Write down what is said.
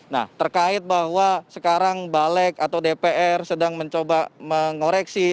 nah terkait bahwa sekarang balik atau dpr sedang mencoba mengoreksi